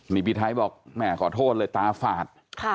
นี่พี่ไทยบอกแม่ขอโทษเลยตาฝาด